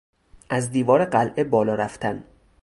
از دیوار قلعه بالا رفتن